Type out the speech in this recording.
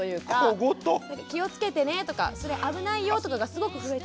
「気をつけてね」とか「それ危ないよ」とかがすごく増えてて。